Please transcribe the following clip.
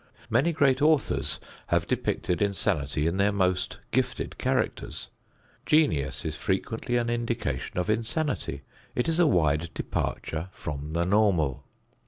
Many great authors have depicted insanity in their most gifted characters. Genius is frequently an indication of insanity. It is a wide departure from the normal.